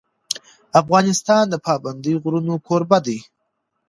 افغانستان د پابندی غرونه کوربه دی.